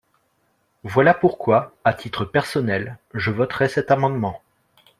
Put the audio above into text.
Voilà pourquoi, à titre personnel, je voterai cet amendement.